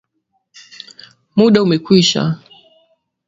Muda ume kwisha